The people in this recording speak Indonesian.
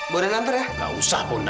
bok dan antar ya